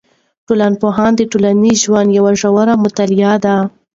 ټولنپوهنه د ټولنیز ژوند یوه ژوره مطالعه ده.